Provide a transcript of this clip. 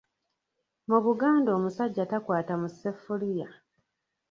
Mu Buganda omusajja takwata mu sseffuliya.